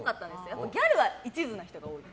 やっぱりギャルは一途な人が多い。